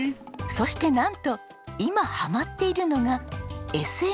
そしてなんと今ハマっているのがＳＮＳの投稿。